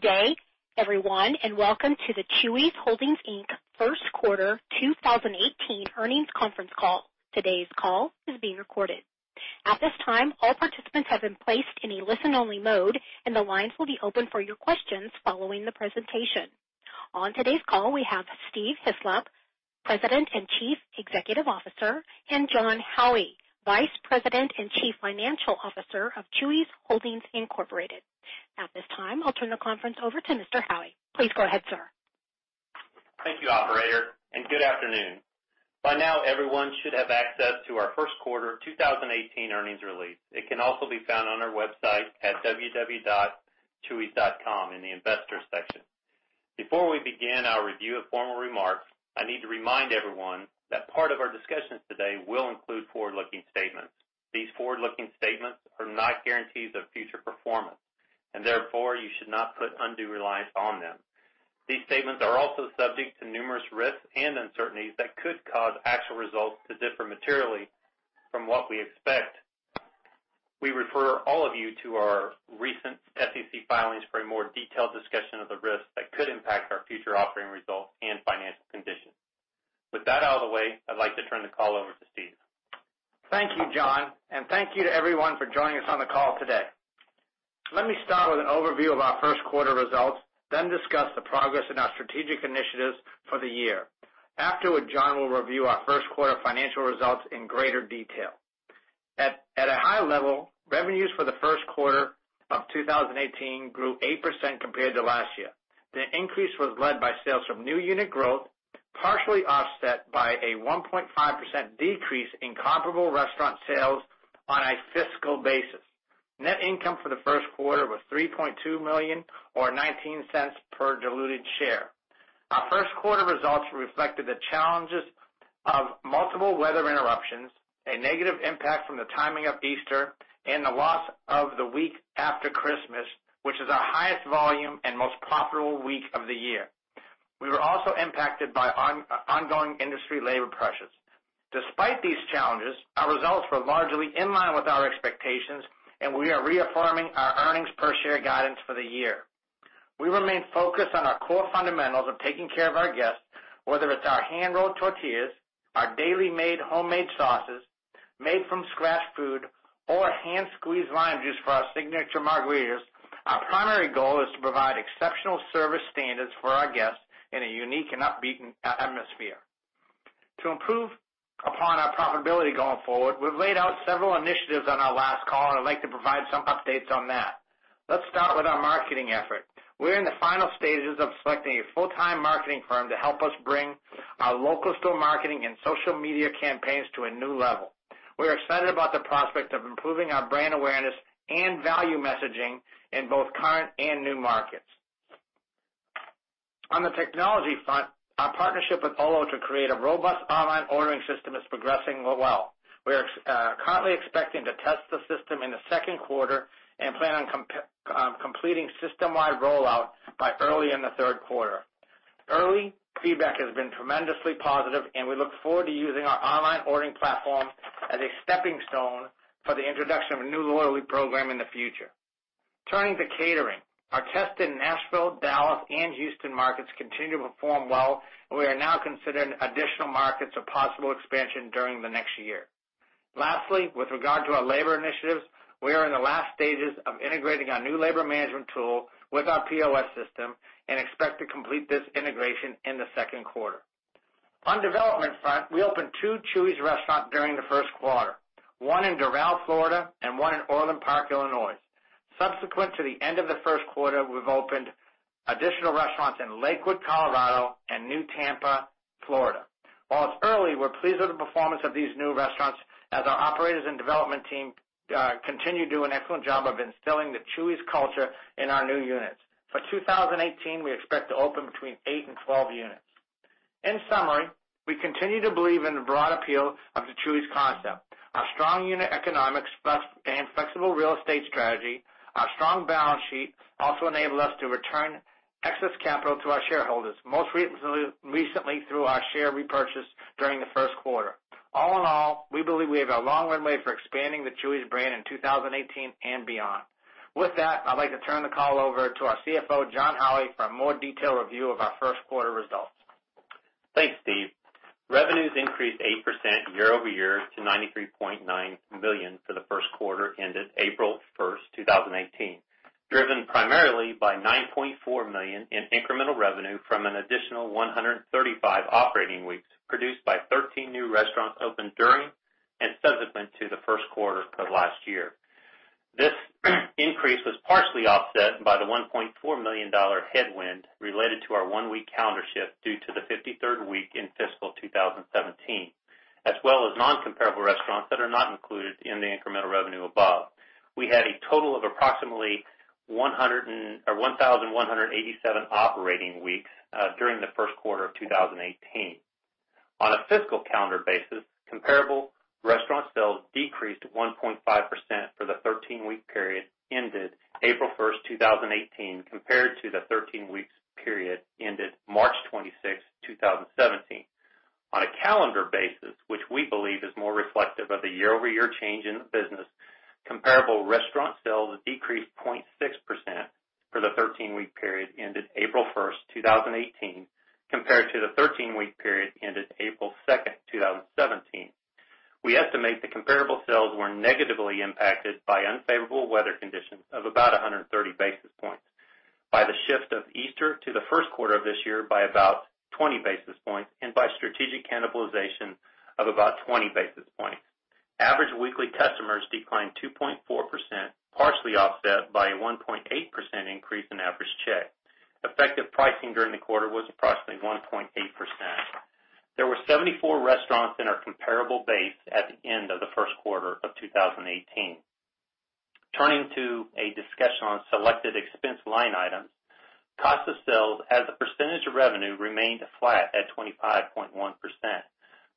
Good day, everyone, and welcome to the Chuy's Holdings, Inc. first quarter 2018 earnings conference call. Today's call is being recorded. At this time, all participants have been placed in a listen-only mode, and the lines will be open for your questions following the presentation. On today's call, we have Steve Hislop, President and Chief Executive Officer, and Jon Howie, Vice President and Chief Financial Officer of Chuy's Holdings, Incorporated. At this time, I'll turn the conference over to Mr. Howie. Please go ahead, sir. Thank you, operator, and good afternoon. By now, everyone should have access to our first quarter 2018 earnings release. It can also be found on our website at www.chuys.com in the Investors section. Before we begin our review of formal remarks, I need to remind everyone that part of our discussions today will include forward-looking statements. These forward-looking statements are not guarantees of future performance, and therefore, you should not put undue reliance on them. These statements are also subject to numerous risks and uncertainties that could cause actual results to differ materially from what we expect. We refer all of you to our recent SEC filings for a more detailed discussion of the risks that could impact our future operating results and financial condition. With that out of the way, I'd like to turn the call over to Steve. Thank you, Jon, and thank you to everyone for joining us on the call today. Let me start with an overview of our first quarter results, then discuss the progress in our strategic initiatives for the year. Afterward, Jon will review our first quarter financial results in greater detail. At a high level, revenues for the first quarter of 2018 grew 8% compared to last year. The increase was led by sales from new unit growth, partially offset by a 1.5% decrease in comparable restaurant sales on a fiscal basis. Net income for the first quarter was $3.2 million, or $0.19 per diluted share. Our first quarter results reflected the challenges of multiple weather interruptions, a negative impact from the timing of Easter, and the loss of the week after Christmas, which is our highest volume and most profitable week of the year. We were also impacted by ongoing industry labor pressures. Despite these challenges, our results were largely in line with our expectations, and we are reaffirming our earnings per share guidance for the year. We remain focused on our core fundamentals of taking care of our guests, whether it's our hand-rolled tortillas, our daily-made homemade sauces, made-from-scratch food, or hand-squeezed lime juice for our signature margaritas. Our primary goal is to provide exceptional service standards for our guests in a unique and upbeat atmosphere. To improve upon our profitability going forward, we've laid out several initiatives on our last call, and I'd like to provide some updates on that. Let's start with our marketing effort. We're in the final stages of selecting a full-time marketing firm to help us bring our local store marketing and social media campaigns to a new level. We are excited about the prospect of improving our brand awareness and value messaging in both current and new markets. On the technology front, our partnership with Olo to create a robust online ordering system is progressing well. We are currently expecting to test the system in the second quarter and plan on completing system-wide rollout by early in the third quarter. Early feedback has been tremendously positive, and we look forward to using our online ordering platform as a stepping stone for the introduction of a new loyalty program in the future. Turning to catering, our test in Nashville, Dallas, and Houston markets continue to perform well, and we are now considering additional markets of possible expansion during the next year. Lastly, with regard to our labor initiatives, we are in the last stages of integrating our new labor management tool with our POS system and expect to complete this integration in the second quarter. On development front, we opened two Chuy's restaurants during the first quarter, one in Doral, Florida, and one in Orland Park, Illinois. Subsequent to the end of the first quarter, we have opened additional restaurants in Lakewood, Colorado, and New Tampa, Florida. While it's early, we are pleased with the performance of these new restaurants as our operators and development team continue to do an excellent job of instilling the Chuy's culture in our new units. For 2018, we expect to open between eight and 12 units. In summary, we continue to believe in the broad appeal of the Chuy's concept. Our strong unit economics and flexible real estate strategy, our strong balance sheet also enable us to return excess capital to our shareholders, most recently through our share repurchase during the first quarter. All in all, we believe we have a long runway for expanding the Chuy's brand in 2018 and beyond. With that, I would like to turn the call over to our CFO, Jon Howie, for a more detailed review of our first quarter results. Thanks, Steve. Revenues increased 8% year-over-year to $93.9 million for the first quarter ended April 1st, 2018, driven primarily by $9.4 million in incremental revenue from an additional 135 operating weeks produced by 13 new restaurants opened during and subsequent to the first quarter of last year. This increase was partially offset by the $1.4 million headwind related to our one-week calendar shift due to the 53rd week in fiscal 2017, as well as non-comparable restaurants that are not included in the incremental revenue above. We had a total of approximately 1,187 operating weeks during the first quarter of 2018. On a fiscal calendar basis, comparable restaurant sales decreased 1.5% for the 13-week period ended April 1st, 2018, compared to the 13-weeks period ended March 26th, 2017. On a calendar basis, which we believe is more reflective of the year-over-year change in the business, comparable restaurant sales decreased 0.6% for the 13-week period ended April 1st, 2018, compared to the 13-week period ended April 2nd, 2017. We estimate the comparable sales were negatively impacted by unfavorable weather conditions of about 130 basis points, by the shift of Easter to the first quarter of this year by about 20 basis points, and by strategic cannibalization of about 20 basis points. Average weekly customers declined 2.4%, partially offset by a 1.8% increase in average check. Effective pricing during the quarter was approximately 1.8%. There were 74 restaurants in our comparable base at the end of the first quarter of 2018. Turning to a discussion on selected expense line items. Cost of sales as a percentage of revenue remained flat at 25.1%.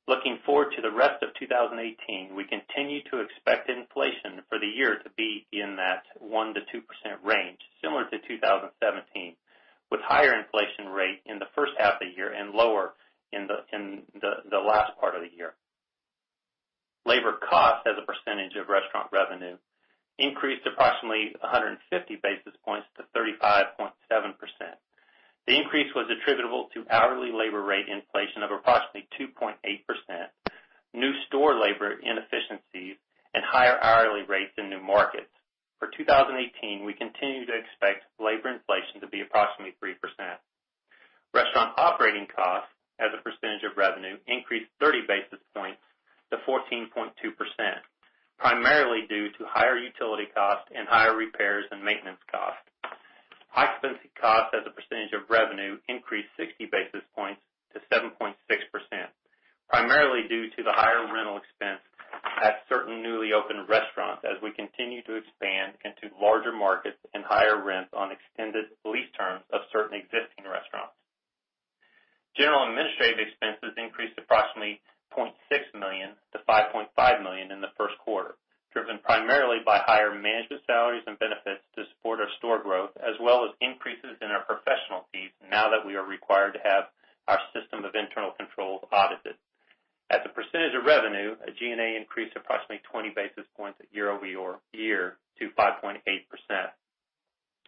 Looking forward to the rest of 2018, we continue to expect inflation for the year to be in that 1%-2% range, similar to 2017, with higher inflation rate in the first half of the year and lower in the last part of the year. Labor cost as a percentage of restaurant revenue increased approximately 150 basis points to 35.7%. The increase was attributable to hourly labor rate inflation of approximately 2.8%, new store labor inefficiencies, and higher hourly rates in new markets. For 2018, we continue to expect labor inflation to be approximately 3%. Restaurant operating costs as a percentage of revenue increased 30 basis points to 14.2%, primarily due to higher utility costs and higher repairs and maintenance costs. Occupancy costs as a percentage of revenue increased 60 basis points to 7.6%, primarily due to the higher rental expense at certain newly opened restaurants as we continue to expand into larger markets and higher rents on extended lease terms of certain existing restaurants. General and administrative expenses increased approximately $0.6 million to $5.5 million in the first quarter, driven primarily by higher management salaries and benefits to support our store growth, as well as increases in our professional fees now that we are required to have our system of internal controls audited. As a percentage of revenue, G&A increased approximately 20 basis points year-over-year to 5.8%.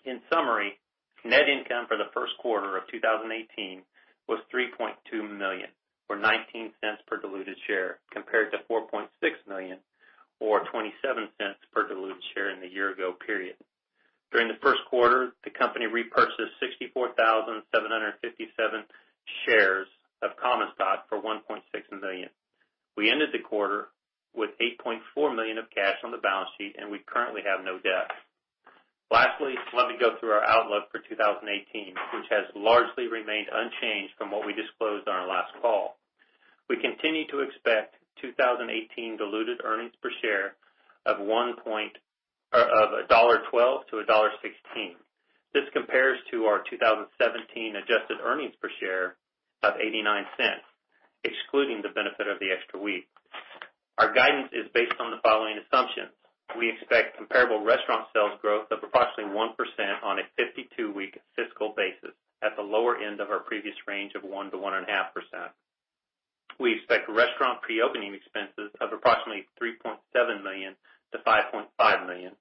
In summary, net income for the first quarter of 2018 was $3.2 million, or $0.19 per diluted share, compared to $4.6 million or $0.27 per diluted share in the year ago period. During the first quarter, the company repurchased 64,757 shares of common stock for $1.6 million. We ended the quarter with $8.4 million of cash on the balance sheet, and we currently have no debt. Lastly, let me go through our outlook for 2018, which has largely remained unchanged from what we disclosed on our last call. We continue to expect 2018 diluted earnings per share of $1.12 to $1.16. This compares to our 2017 adjusted earnings per share of $0.89, excluding the benefit of the extra week. Our guidance is based on the following assumptions. We expect comparable restaurant sales growth of approximately 1% on a 52-week fiscal basis at the lower end of our previous range of 1%-1.5%. We expect restaurant pre-opening expenses of approximately $3.7 million-$5.5 million.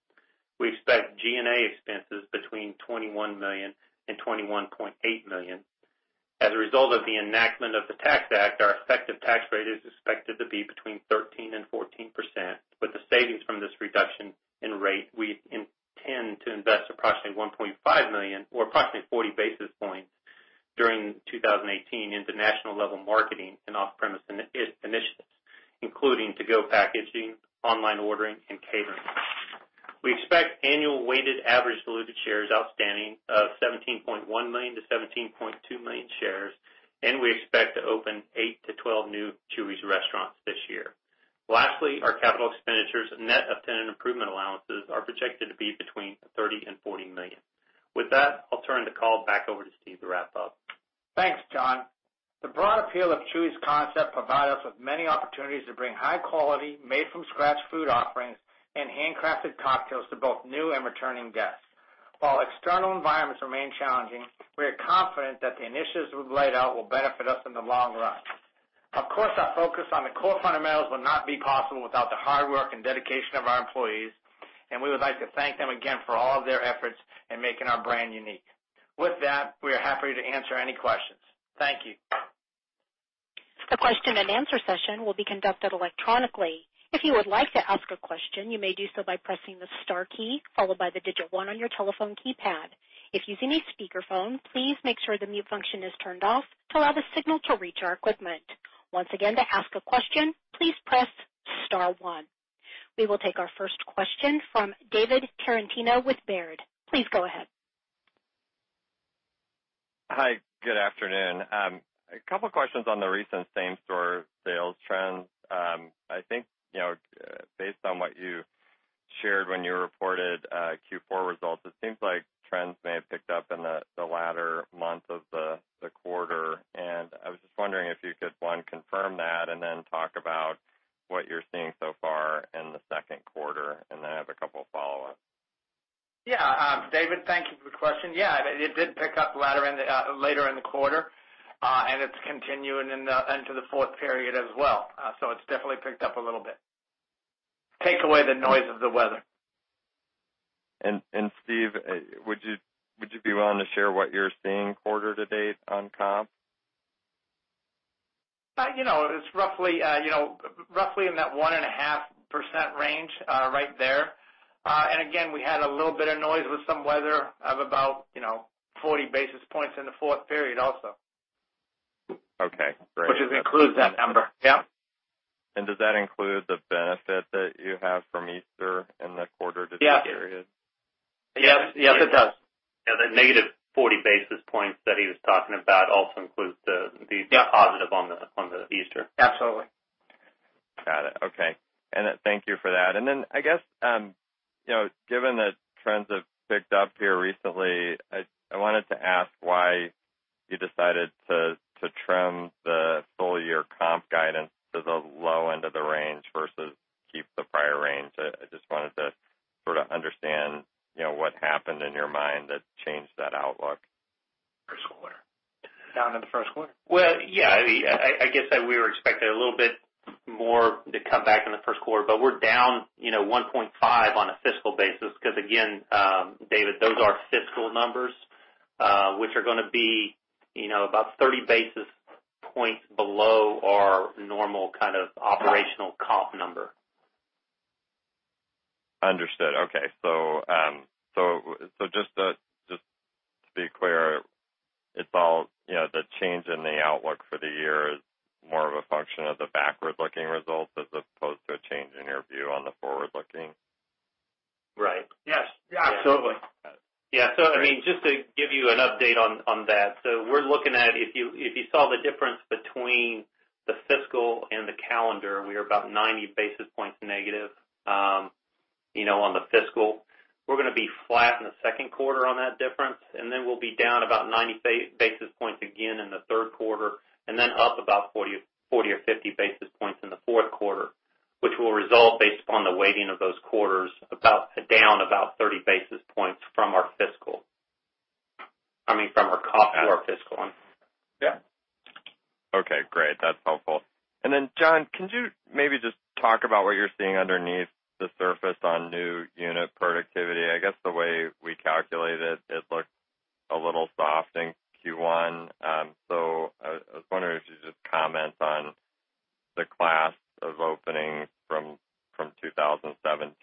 We expect G&A expenses between $21 million and $21.8 million. As a result of the enactment of the Tax Act, our effective tax rate is expected to be between 13% and 14%, with the savings from this reduction in rate, we intend to invest approximately $1.5 million or approximately 40 basis points during 2018 into national-level marketing and off-premise initiatives, including to-go packaging, online ordering, and catering. We expect annual weighted average diluted shares outstanding of 17.1 million-17.2 million shares, and we expect to open eight to 12 new Chuy's restaurants this year. Lastly, our capital expenditures net of tenant improvement allowances are projected to be between $30 million and $40 million. With that, I'll turn the call back over to Steve to wrap up. Thanks, Jon. The broad appeal of Chuy's concept provides us with many opportunities to bring high quality, made-from-scratch food offerings and handcrafted cocktails to both new and returning guests. While external environments remain challenging, we are confident that the initiatives we've laid out will benefit us in the long run. Of course, our focus on the core fundamentals would not be possible without the hard work and dedication of our employees, and we would like to thank them again for all of their efforts in making our brand unique. With that, we are happy to answer any questions. Thank you. The question and answer session will be conducted electronically. If you would like to ask a question, you may do so by pressing the star key, followed by the digit 1 on your telephone keypad. If using a speakerphone, please make sure the mute function is turned off to allow the signal to reach our equipment. Once again, to ask a question, please press star 1. We will take our first question from David Tarantino with Baird. Please go ahead. Hi. Good afternoon. A couple questions on the recent same-store sales trends. I think, based on what you shared when you reported Q4 results, it seems like trends may have picked up in the latter months of the quarter. I was just wondering if you could, one, confirm that, and then talk about what you're seeing so far in the second quarter, and then I have a couple follow-ups. Yeah. David, thank you for the question. It did pick up later in the quarter, and it's continuing into the fourth period as well. It's definitely picked up a little bit. Take away the noise of the weather. Steve, would you be willing to share what you're seeing quarter to date on comp? It's roughly in that one and a half % range right there. Again, we had a little bit of noise with some weather of about 40 basis points in the fourth period also. Okay, great. Which includes that number. Yep. Does that include the benefit that you have from Easter in that quarter just period? Yes, it does. Yeah. The negative 40 basis points that he was talking about also includes. Yeah positive on the Easter. Absolutely. Got it. Okay. Thank you for that. I guess, given the trends have picked up here recently, I wanted to ask why you decided to trim the full year comp guidance to the low end of the range versus keep the prior range. I just wanted to sort of understand what happened in your mind that changed that outlook. First quarter. Down in the first quarter. Well, yeah, I guess that we were expecting a little bit more to come back in the first quarter, but we're down 1.5 on a fiscal basis because again, David, those are fiscal numbers, which are going to be about 30 basis points below our normal kind of operational comp number. Understood. Okay. Just to be clear, the change in the outlook for the year is more of a function of the backward-looking results as opposed to a change in your view on the forward-looking? Right. Yes, absolutely. Got it. I mean, just to give you an update on that. We're looking at, if you saw the difference between the fiscal and the calendar, we are about 90 basis points negative on the fiscal. We're going to be flat in the second quarter on that difference. Then we'll be down about 90 basis points again in the third quarter. Then up about 40 or 50 basis points in the fourth quarter, which will result based upon the weighting of those quarters, down about 30 basis points from our fiscal. I mean, from our comp for our fiscal. Yeah. Okay, great. That's helpful. John, can you maybe just talk about what you're seeing underneath the surface on new unit productivity? I guess the way we calculate it looks a little soft in Q1. I was wondering if you could just comment on the class of openings from 2017,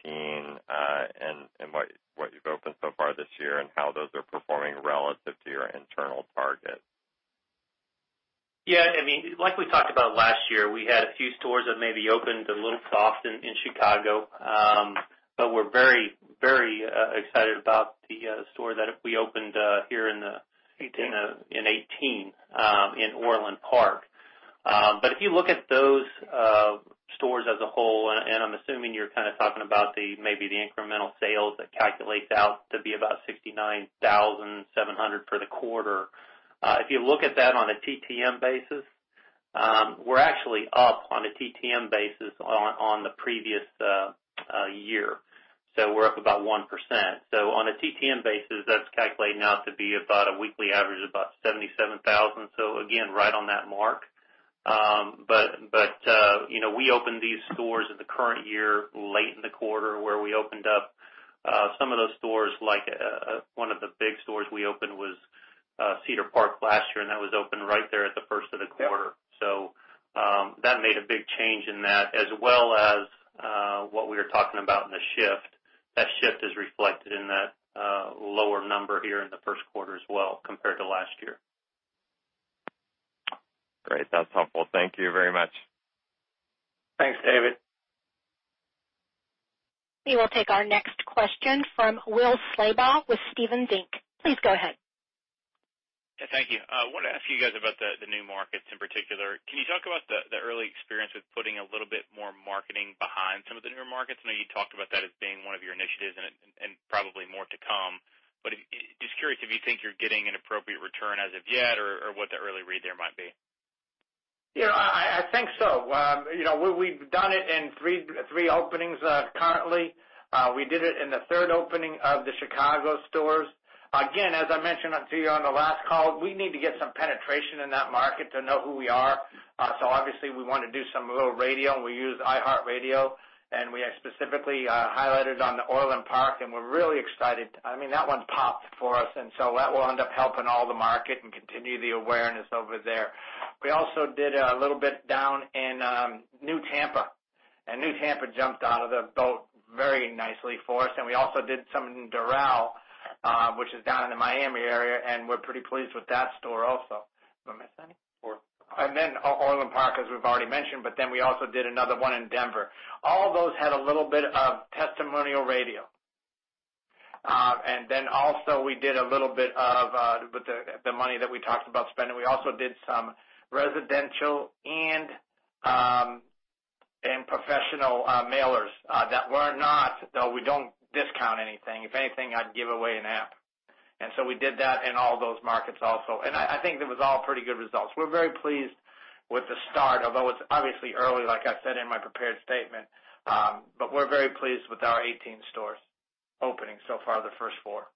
and what you've opened so far this year and how those are performing relative to your internal target. Yeah, like we talked about last year, we had a few stores that maybe opened a little soft in Chicago. We're very excited about the store that we opened here in- '18 in 2018, in Orland Park. If you look at those stores as a whole, and I'm assuming you're kind of talking about maybe the incremental sales that calculates out to be about $69,700 for the quarter. If you look at that on a TTM basis, we're actually up on a TTM basis on the previous year. We're up about 1%. On a TTM basis, that's calculating out to be about a weekly average of about $77,000. Again, right on that mark. We opened these stores in the current year, late in the quarter, where we opened up some of those stores, like one of the big stores we opened was Cedar Park last year, and that was opened right there at the first of the quarter. That made a big change in that as well as what we were talking about in the shift. That shift is reflected in that lower number here in the first quarter as well compared to last year. Great. That's helpful. Thank you very much. Thanks, David. We will take our next question from Will Slabaugh with Stephens Inc. Please go ahead. Thank you. I want to ask you guys about the new markets in particular. Can you talk about the early experience with putting a little bit more marketing behind some of the newer markets? I know you talked about that as being one of your initiatives and probably more to come. Just curious if you think you're getting an appropriate return as of yet, or what the early read there might be. Yeah, I think so. We've done it in three openings currently. We did it in the third opening of the Chicago stores. As I mentioned to you on the last call, we need to get some penetration in that market to know who we are. Obviously we want to do some little radio. We use iHeartRadio, and we specifically highlighted on the Orland Park. We're really excited. I mean, that one popped for us, so that will end up helping all the market and continue the awareness over there. We also did a little bit down in New Tampa. New Tampa jumped out of the boat very nicely for us. We also did some in Doral, which is down in the Miami area, and we're pretty pleased with that store also. Did I miss any? Four. Orland Park, as we've already mentioned. We also did another one in Denver. All those had a little bit of testimonial radio. Also we did a little bit of, with the money that we talked about spending, we also did some residential and professional mailers, that were not, though we don't discount anything. If anything, I'd give away an app. We did that in all those markets also. I think it was all pretty good results. We're very pleased with the start, although it's obviously early, like I said in my prepared statement. We're very pleased with our 18 stores opening so far, the first four.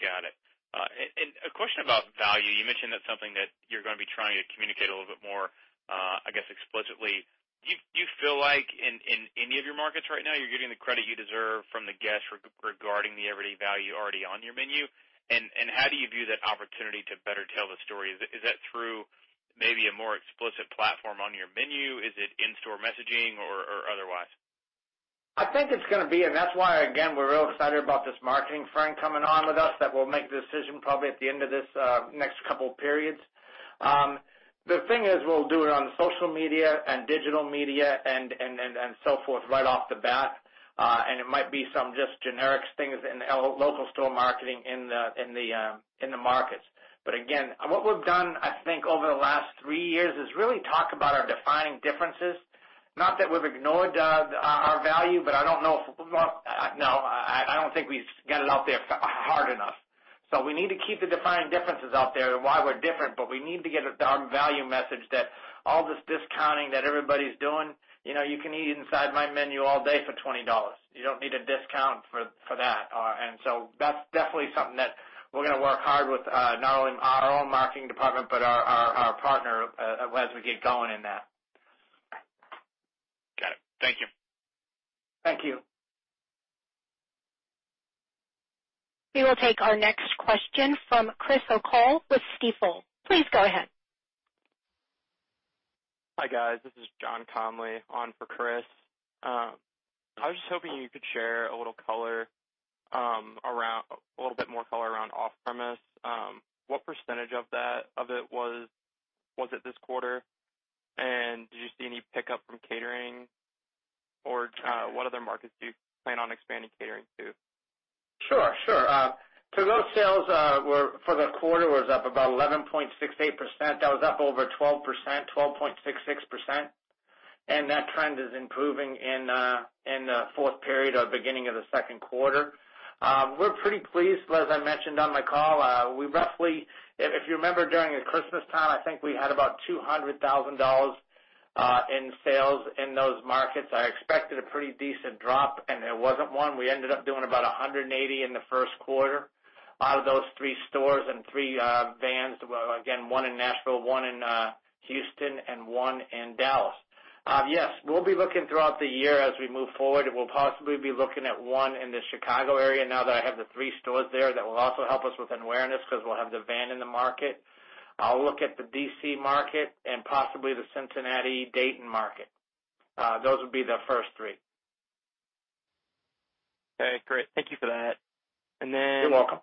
Got it. A question about value. You mentioned that's something that you're going to be trying to communicate a little bit more, I guess, explicitly. Do you feel like in any of your markets right now, you're getting the credit you deserve from the guests regarding the everyday value already on your menu? How do you view that opportunity to better tell the story? Is that through maybe a more explicit platform on your menu? Is it in-store messaging or otherwise? I think it's going to be, and that's why, again, we're real excited about this marketing firm coming on with us that we'll make the decision probably at the end of this next couple of periods. The thing is, we'll do it on social media and digital media and so forth right off the bat. It might be some just generic things in local store marketing in the markets. Again, what we've done, I think, over the last three years is really talk about our defining differences. Not that we've ignored our value, but I don't think we've got it out there hard enough. We need to keep the defining differences out there and why we're different, but we need to get our value message that all this discounting that everybody's doing, you can eat inside my menu all day for $20. You don't need a discount for that. That's definitely something that we're going to work hard with, not only our own marketing department, but our partner as we get going in that. Got it. Thank you. Thank you. We will take our next question from Chris O'Cull with Stifel. Please go ahead. Hi, guys. This is John Coyne on for Chris. I was just hoping you could share a little bit more color around off-premise. What % of it was it this quarter? Did you see any pickup from catering or what other markets do you plan on expanding catering to? Sure. To-go sales for the quarter was up about 11.68%. That was up over 12%, 12.66%. That trend is improving in the fourth period or beginning of the second quarter. We're pretty pleased, as I mentioned on my call. We roughly, if you remember, during Christmas time, I think we had about $200,000 in sales in those markets. I expected a pretty decent drop, and there wasn't one. We ended up doing about $180,000 in the first quarter out of those three stores and three vans. Again, one in Nashville, one in Houston, and one in Dallas. Yes, we'll be looking throughout the year as we move forward, we'll possibly be looking at one in the Chicago area now that I have the three stores there. That will also help us with awareness because we'll have the van in the market. I'll look at the D.C. market and possibly the Cincinnati, Dayton market. Those would be the first three. Okay, great. Thank you for that. You're welcome.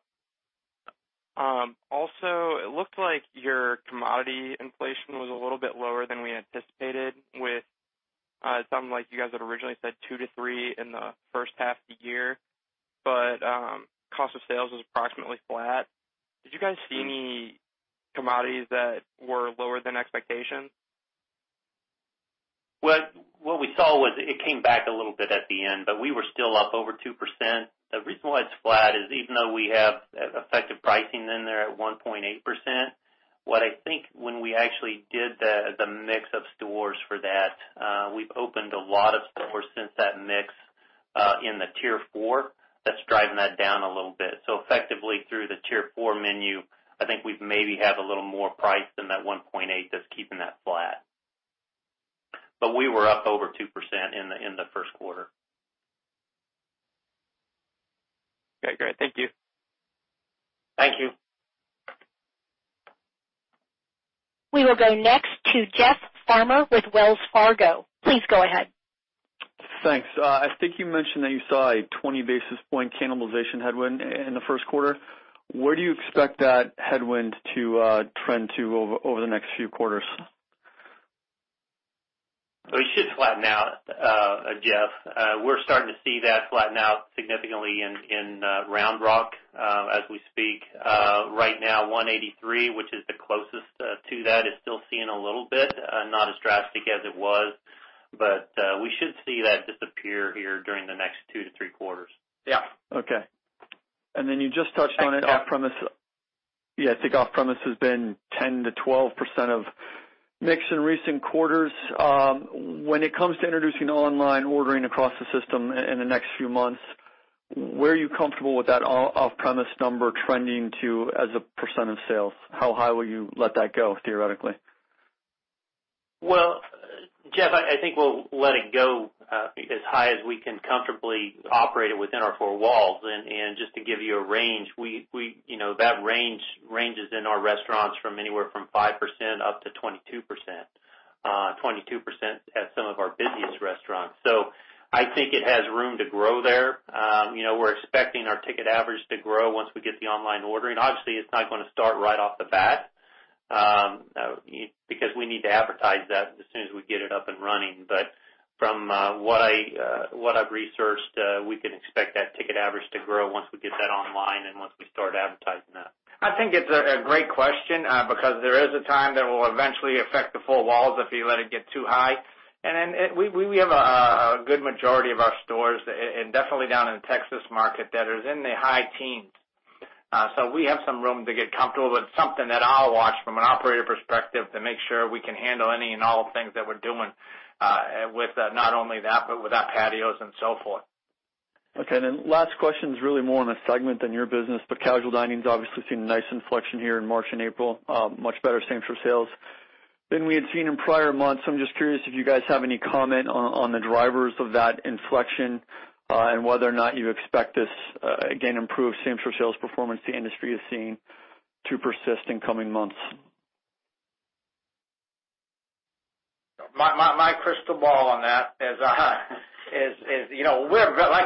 It looked like your commodity inflation was a little bit lower than we anticipated with something like you guys had originally said 2%-3% in the first half of the year, but cost of sales was approximately flat. Did you guys see any commodities that were lower than expectations? What we saw was it came back a little bit at the end, but we were still up over 2%. The reason why it's flat is even though we have effective pricing in there at 1.8%, what I think when we actually did the mix of stores for that, we've opened a lot of stores since that mix in the Tier 4 that's driving that down a little bit. Effectively through the Tier 4 menu, I think we maybe have a little more price than that 1.8% that's keeping that flat. We were up over 2% in the first quarter. Okay, great. Thank you. Thank you. We will go next to Jeff Farmer with Wells Fargo. Please go ahead. Thanks. I think you mentioned that you saw a 20 basis point cannibalization headwind in the first quarter. Where do you expect that headwind to trend to over the next few quarters? It should flatten out, Jeff. We're starting to see that flatten out significantly in Round Rock as we speak. Right now, 183, which is the closest to that, is still seeing a little bit, not as drastic as it was. We should see that disappear here during the next two to three quarters. Yeah. Okay. Then you just touched on it. Thanks, Jeff. Off-premise. Yeah, I think off-premise has been 10%-12% of mix in recent quarters. When it comes to introducing online ordering across the system in the next few months, where are you comfortable with that off-premise number trending to as a % of sales? How high will you let that go, theoretically? Well, Jeff, I think we'll let it go as high as we can comfortably operate it within our four walls. Just to give you a range, that range ranges in our restaurants from anywhere from 5% up to 22% at some of our busiest restaurants. I think it has room to grow there. We're expecting our ticket average to grow once we get the online ordering. Obviously, it's not going to start right off the bat because we need to advertise that as soon as we get it up and running. From what I've researched, we can expect that ticket average to grow once we get that online and once we start advertising. I think it's a great question because there is a time that will eventually affect the full walls if you let it get too high. We have a good majority of our stores, and definitely down in the Texas market, that is in the high teens. We have some room to get comfortable with something that I'll watch from an operator perspective to make sure we can handle any and all things that we're doing with not only that, but with our patios and so forth. Okay. Last question is really more on a segment than your business, casual dining is obviously seeing a nice inflection here in March and April, much better same for sales than we had seen in prior months. I'm just curious if you guys have any comment on the drivers of that inflection and whether or not you expect this, again, improved same for sales performance the industry is seeing to persist in coming months. My crystal ball on that is, like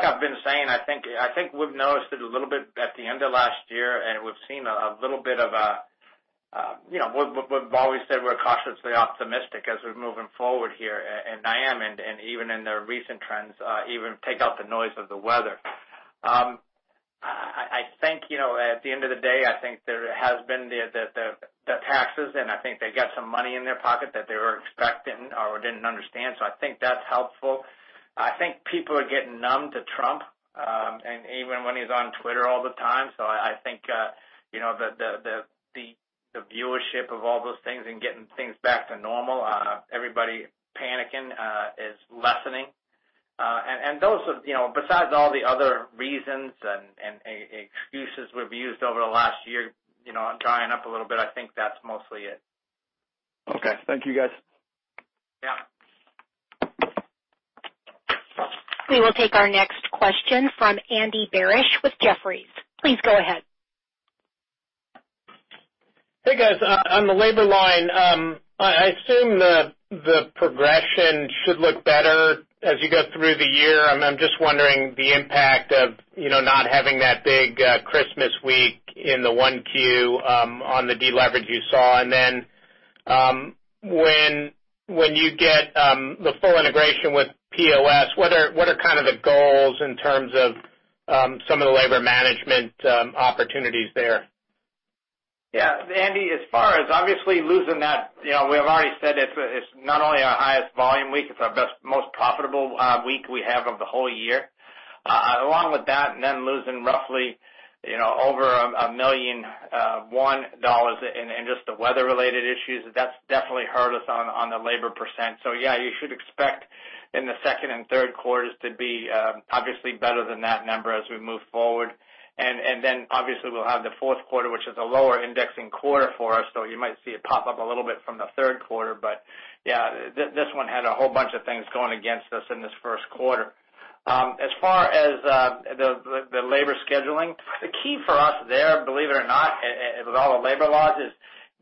I've been saying, I think we've noticed it a little bit at the end of last year, we've seen a little bit. We've always said we're cautiously optimistic as we're moving forward here, I am, even in the recent trends, even take out the noise of the weather. At the end of the day, I think there has been the taxes, I think they got some money in their pocket that they weren't expecting or didn't understand. I think that's helpful. I think people are getting numb to Trump, even when he's on Twitter all the time. I think the viewership of all those things and getting things back to normal, everybody panicking is lessening. Besides all the other reasons and excuses we've used over the last year drying up a little bit, I think that's mostly it. Okay. Thank you, guys. Yeah. We will take our next question from Andy Barish with Jefferies. Please go ahead. Hey, guys. On the labor line, I assume the progression should look better as you go through the year. I'm just wondering the impact of not having that big Christmas week in the Q1 on the deleverage you saw. Then, when you get the full integration with POS, what are the goals in terms of some of the labor management opportunities there? Yeah, Andy, as far as obviously losing that, we have already said it's not only our highest volume week, it's our most profitable week we have of the whole year. Along with that, then losing roughly over $1,001,000 in just the weather related issues, that's definitely hurt us on the labor %. Yeah, you should expect in the second and third quarters to be obviously better than that number as we move forward. Then obviously we'll have the fourth quarter, which is a lower indexing quarter for us. You might see it pop up a little bit from the third quarter, but yeah, this one had a whole bunch of things going against us in this first quarter. As far as the labor scheduling, the key for us there, believe it or not, with all the labor laws, is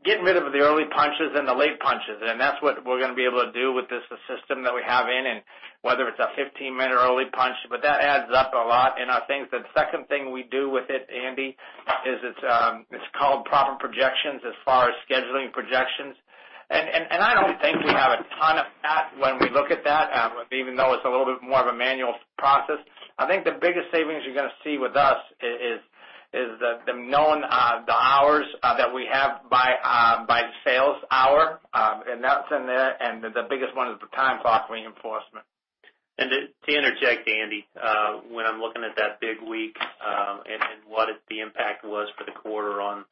getting rid of the early punches and the late punches, and that's what we're going to be able to do with this system that we have in, whether it's a 15-minute early punch, but that adds up a lot in our things. The second thing we do with it, Andy, is it's called proper projections as far as scheduling projections. I don't think we have a ton of that when we look at that, even though it's a little bit more of a manual process. I think the biggest savings you're going to see with us is the known hours that we have by sales hour, and that's in there. The biggest one is the time clock reinforcement. To interject, Andy, when I'm looking at that big week, and what the impact was for the quarter on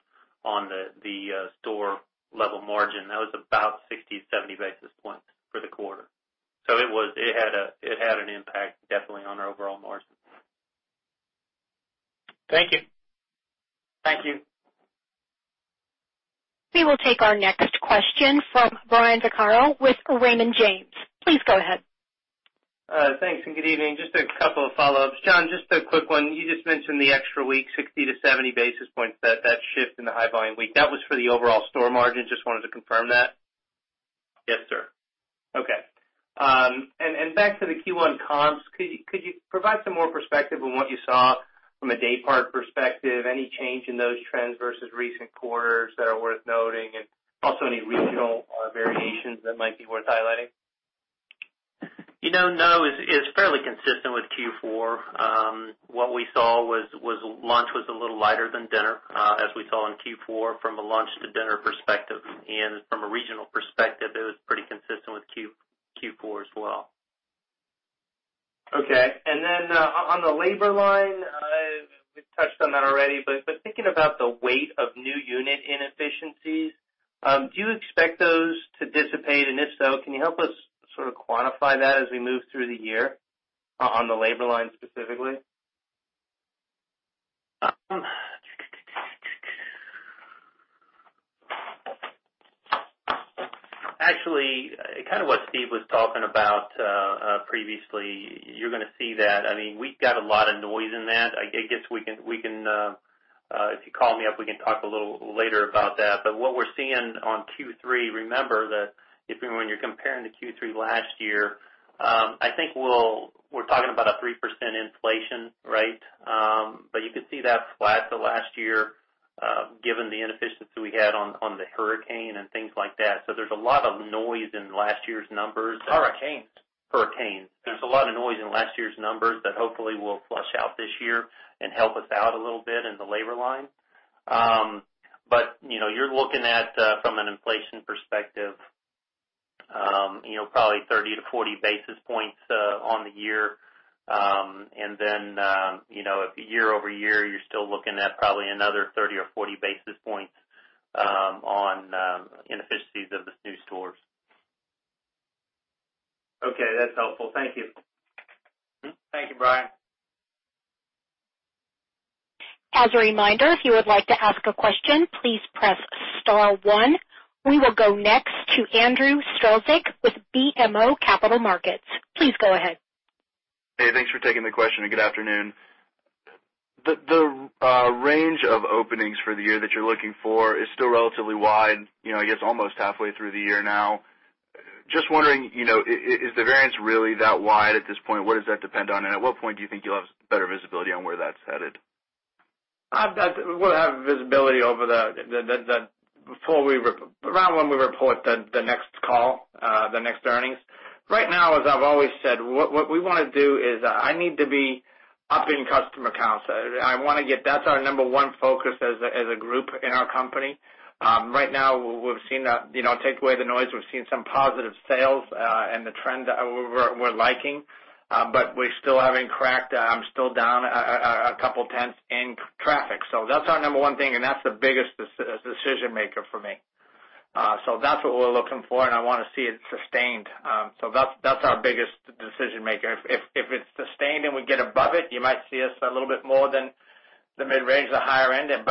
the store level margin, that was about 60 to 70 basis points for the quarter. It had an impact definitely on our overall margins. Thank you. Thank you. We will take our next question from Brian Vaccaro with Raymond James. Please go ahead. Thanks, and good evening. Just a couple of follow-ups. John, just a quick one. You just mentioned the extra week, 60 to 70 basis points, that shift in the high volume week. That was for the overall store margin, just wanted to confirm that? Yes, sir. Okay. Back to the Q1 comps, could you provide some more perspective on what you saw from a day part perspective? Any change in those trends versus recent quarters that are worth noting, and also any regional variations that might be worth highlighting? No. It's fairly consistent with Q4. What we saw was lunch was a little lighter than dinner, as we saw in Q4 from a lunch to dinner perspective. From a regional perspective, it was pretty consistent with Q4 as well. Okay. On the labor line, we've touched on that already, but thinking about the weight of new unit inefficiencies, do you expect those to dissipate? If so, can you help us sort of quantify that as we move through the year on the labor line specifically? Actually, kind of what Steve was talking about previously, you're going to see that. We've got a lot of noise in that. If you call me up, we can talk a little later about that. What we're seeing on Q3, remember that when you're comparing to Q3 last year, I think we're talking about a 3% inflation, right? You could see that flat to last year, given the inefficiencies we had on the hurricane and things like that. There's a lot of noise in last year's numbers. Hurricane? hurricanes. There's a lot of noise in last year's numbers that hopefully will flush out this year and help us out a little bit in the labor line. You're looking at, from an inflation perspective, probably 30-40 basis points on the year. Then, year-over-year, you're still looking at probably another 30-40 basis points on inefficiencies of these new stores. Okay. That's helpful. Thank you. Thank you, Brian. As a reminder, if you would like to ask a question, please press star one. We will go next to Andrew Strelzik with BMO Capital Markets. Please go ahead. Hey, thanks for taking the question, and good afternoon. The range of openings for the year that you're looking for is still relatively wide, I guess almost halfway through the year now. Just wondering, is the variance really that wide at this point? What does that depend on? At what point do you think you'll have better visibility on where that's headed? We'll have visibility around when we report the next call, the next earnings. Right now, as I've always said, what we want to do is I need to be up in customer counts. That's our number one focus as a group in our company. Right now, take away the noise, we've seen some positive sales, and the trend we're liking. We still haven't cracked. I'm still down a couple tenths in traffic. That's our number one thing, and that's the biggest decision-maker for me. That's what we're looking for, and I want to see it sustained. That's our biggest decision-maker. If it's sustained and we get above it, you might see us a little bit more than the mid-range, the higher end. If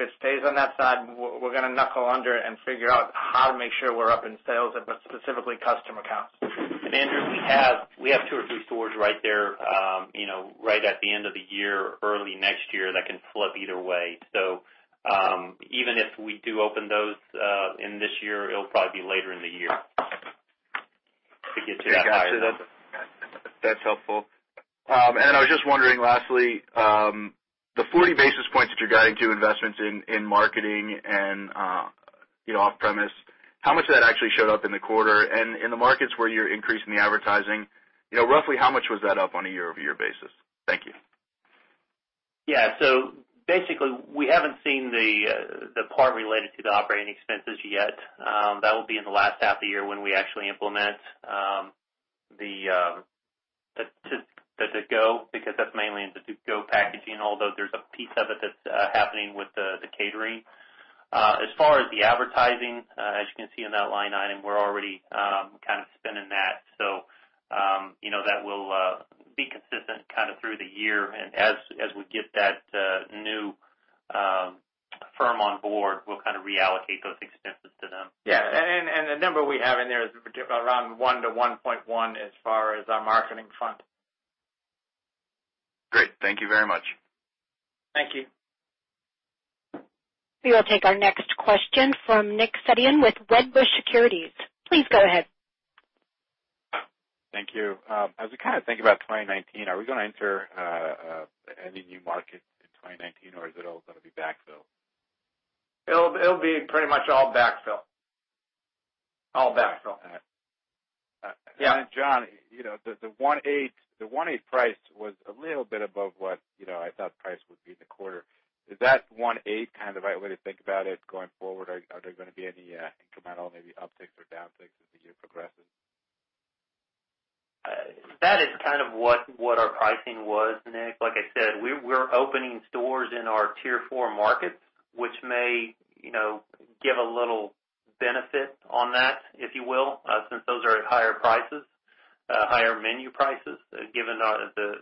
it stays on that side, we're going to knuckle under and figure out how to make sure we're up in sales, but specifically customer counts. Andrew, we have two or three stores right there right at the end of the year, early next year, that can flip either way. Even if we do open those in this year, it'll probably be later in the year to get you that guidance. Got you. That's helpful. I was just wondering, lastly, the 40 basis points that you're guiding to investments in marketing and off-premise, how much of that actually showed up in the quarter? In the markets where you're increasing the advertising, roughly how much was that up on a year-over-year basis? Thank you. Yeah. Basically, we haven't seen the part related to the operating expenses yet. That will be in the last half of the year when we actually implement the To Go, because that's mainly in the To Go packaging, although there's a piece of it that's happening with the catering. As far as the advertising, as you can see in that line item, we're already kind of spending that. That will be consistent kind of through the year. As we get that new firm on board, we'll kind of reallocate those expenses to them. Yeah. The number we have in there is around one to 1.1 as far as our marketing fund. Great. Thank you very much. Thank you. We will take our next question from Nick Setyan with Wedbush Securities. Please go ahead. Thank you. As we kind of think about 2019, are we going to enter any new markets in 2019, or is it all going to be backfill? It'll be pretty much all backfill. All backfill. Yeah. Jon, the 1.8% price was a little bit above what I thought the price would be in the quarter. Is that 1.8% kind of the right way to think about it going forward? Are there going to be any incremental, maybe upticks or downticks as the year progresses? That is kind of what our pricing was, Nick. Like I said, we're opening stores in our Tier 4 markets, which may give a little benefit on that, if you will, since those are at higher prices, higher menu prices, given the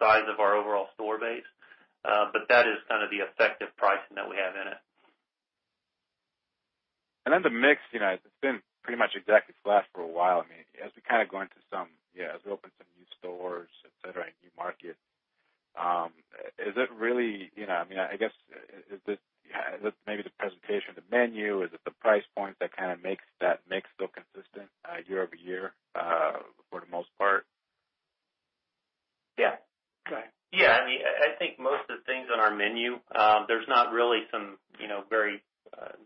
size of our overall store base. That is kind of the effective pricing that we have in it. The mix, it's been pretty much exactly flat for a while. As we open some new stores, et cetera, in new markets, is it maybe the presentation of the menu? Is it the price points that kind of makes that mix still consistent year-over-year for the most part? Yeah. Go ahead. Yeah. I think most of the things on our menu,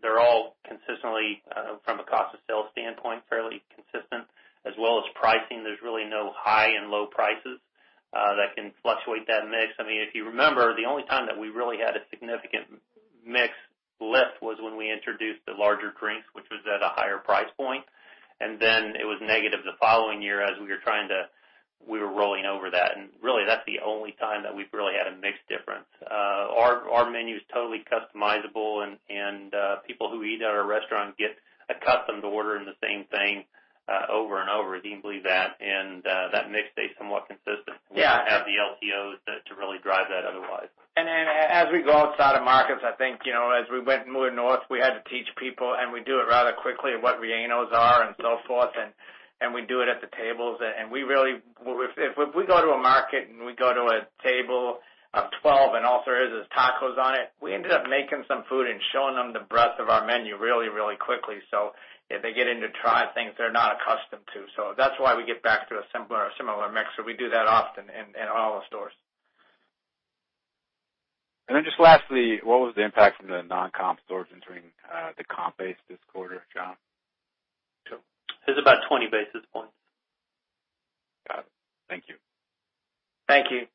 they're all consistently, from a cost of sales standpoint, fairly consistent, as well as pricing. There's really no high and low prices that can fluctuate that mix. If you remember, the only time that we really had a significant mix lift was when we introduced the larger drinks, which was at a higher price point. Then it was negative the following year as we were rolling over that. Really, that's the only time that we've really had a mix difference. Our menu is totally customizable, and people who eat at our restaurant get accustomed to ordering the same thing over and over, believe that, and that mix stays somewhat consistent. Yeah. We don't have the LTOs to really drive that otherwise. As we go outside of markets, I think, as we went more north, we had to teach people, and we do it rather quickly, what rellenos are and so forth, and we do it at the tables. If we go to a market and we go to a table of 12 and all there is tacos on it, we ended up making some food and showing them the breadth of our menu really quickly. They get in to try things they're not accustomed to. That's why we get back to a similar mix. We do that often in all our stores. Just lastly, what was the impact from the non-comp stores entering the comp base this quarter, John? It's about 20 basis points. Got it. Thank you. Thank you.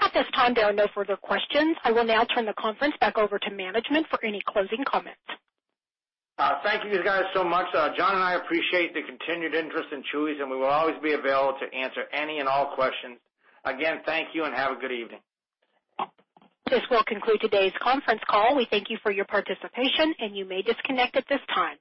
At this time, there are no further questions. I will now turn the conference back over to management for any closing comments. Thank you guys so much. John and I appreciate the continued interest in Chuy's, and we will always be available to answer any and all questions. Again, thank you and have a good evening. This will conclude today's conference call. We thank you for your participation, and you may disconnect at this time.